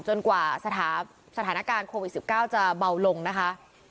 กว่าสถานการณ์โควิด๑๙จะเบาลงนะคะ